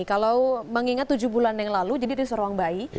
kalau mengingat tujuh bulan yang lalu jadi di seruang bayi